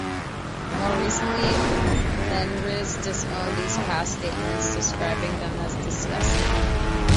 More recently, Fenriz disowned these past statements, describing them as "disgusting".